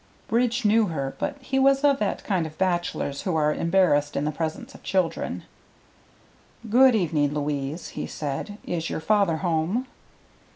Bridge knew her, but he was of that kind of bachelors who are embarrassed in the presence of children. "Good evening, Louise," he said. "Is your father home?"